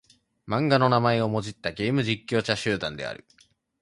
漫画の名前をもじったゲーム実況者集団である。